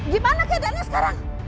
gimana keadaannya sekarang